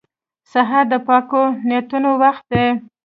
سهار د پاکو نیتونو وخت دی.